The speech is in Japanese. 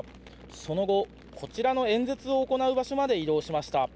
その後、こちらの演説を行う場所まで移動しました。